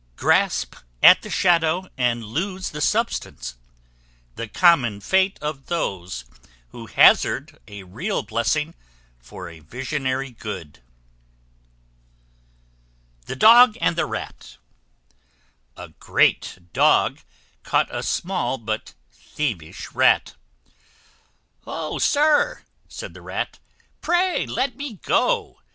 Grasp at the shadow, and lose the substance; the common fate of those who hazard a real blessing for a visionary good. THE DOG AND THE RAT. A great Dog caught a small but thievish Rat. "O, sir!" said the Rat, "pray let me go.